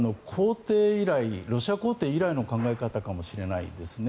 ロシア皇帝以来の考え方かもしれないですね。